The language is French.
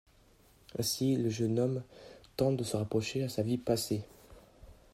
Ainsi, le jeune homme tente de se raccrocher à sa vie passée.